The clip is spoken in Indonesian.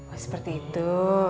oh seperti itu